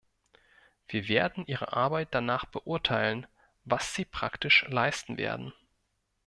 Wir werden Ihre Arbeit danach beurteilen, was Sie praktisch leisten werden.